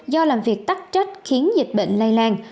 do làm việc tắt trách khiến dịch bệnh lây lan